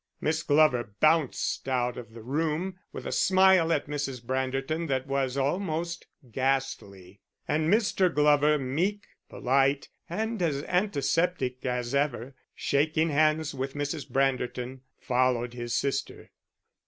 Miss Glover bounced out of the room with a smile at Mrs. Branderton that was almost ghastly; and Mr. Glover, meek, polite, and as antiseptic as ever, shaking hands with Mrs. Branderton, followed his sister.